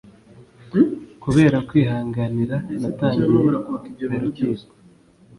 kubera kwihanganira natangiye mu rukiko